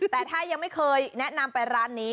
แต่ถ้ายังไม่เคยแนะนำไปร้านนี้